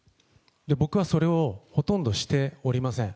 僕はそれをほとんどしておりません。